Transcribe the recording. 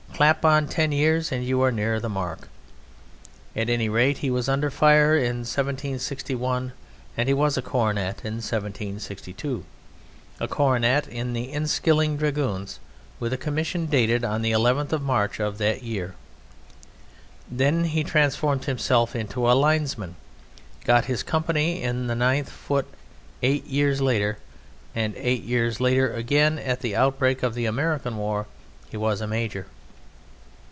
Clap on ten years and you are nearer the mark. At any rate he was under fire in 1761, and he was a Cornet in 1762; a Cornet in the Inniskilling Dragoons with a commission dated on the 11th of March of that year. Then he transformed himself into a Linesman, got his company in the 9th Foot eight years later, and eight years later again, at the outbreak of the American War, he was a major.